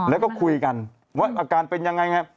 แล้วก็คุยกันว่าอาการเป็นยังไง